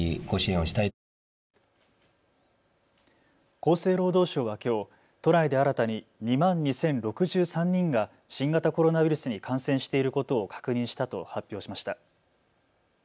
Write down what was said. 厚生労働省はきょう都内で新たに２万２０６３人が新型コロナウイルスに感染していることを確認したと発表しました。